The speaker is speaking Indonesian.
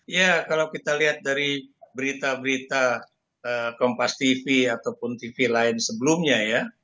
ya kalau kita lihat dari berita berita kompas tv ataupun tv lain sebelumnya ya